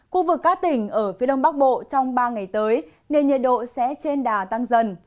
khu vực các tỉnh ở phía đông bắc bộ trong ba ngày tới nền nhiệt độ sẽ trên đà tăng dần